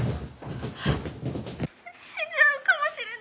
☎死んじゃうかもしれない。